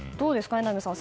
榎並さん。